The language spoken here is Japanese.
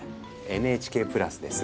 ＮＨＫプラスです。